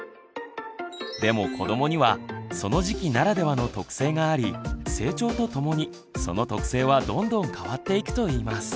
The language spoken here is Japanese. でも子どもにはその時期ならではの特性があり成長とともにその特性はどんどん変わっていくといいます。